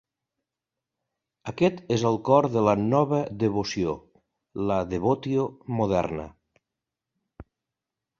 Aquest és el cor de la "nova devoció", la Devotio moderna.